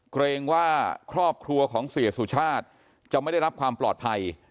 เกรงว่าครอบครัวของเสียสุชาติจะไม่ได้รับความปลอดภัย